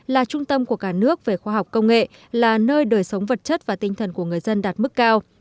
là trung tâm của cả nước về khoa học công nghệ là nơi đời sống vật chất và tinh thần của người dân đạt mức cao